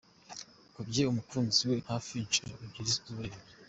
Akubye umukunzi we hafi inshuro ebyiri z’uburebure